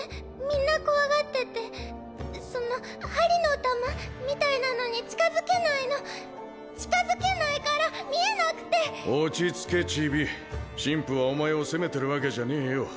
みんな怖がっててその針の球？みたいなのに近づけないの近づけないから見えなくて落ち着けチビ神父はお前を責めてるわけじゃねえよ